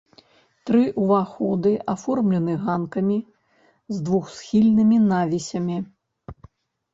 Тры ўваходы аформлены ганкамі з двухсхільнымі навісямі.